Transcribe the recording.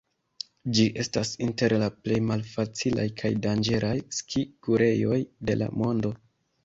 Ĝi estas inter la plej malfacilaj kaj danĝeraj ski-kurejoj de la mondo.